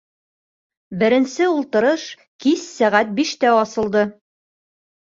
Беренсе ултырыш кис сәғәт биштә асылды.